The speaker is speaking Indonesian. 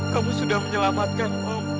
kamu sudah menyelamatkan om